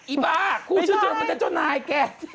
อีบาคู่ชื่นชุนรมุนแต่เจ้านายแก